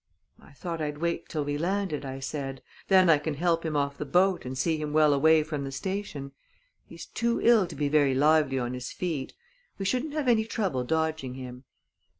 "I thought I'd wait till we landed," I said; "then I can help him off the boat and see him well away from the station. He's too ill to be very lively on his feet. We shouldn't have any trouble dodging him."